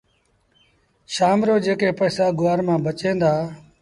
شآم رو جيڪي پئيٚسآ گُوآر مآݩ بچيٚن دآ